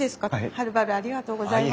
はるばるありがとうございます。